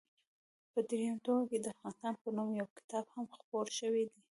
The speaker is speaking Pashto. په درېیم ټوک کې د افغانستان په نوم یو کتاب هم خپور شوی دی.